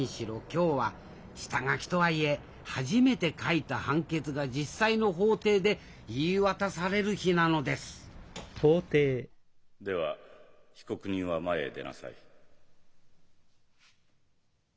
今日は下書きとはいえ初めて書いた判決が実際の法廷で言い渡される日なのですでは被告人は前へ出なさい。